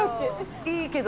いいけど。